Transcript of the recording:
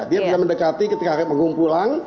dia bisa mendekati ketika hakim menggung pulang